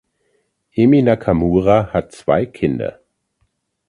Emi Nakamura hat zwei Kinder.